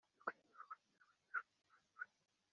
mudogo yatwicaje kwa tate.